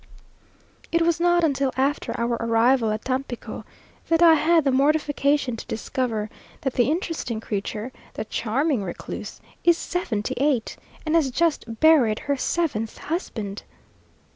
It was not until after our arrival at Tampico that I had the mortification to discover that the interesting creature, the charming recluse, is seventy eight, and has just buried her seventh husband!